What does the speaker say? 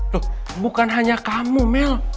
tuh bukan hanya kamu mel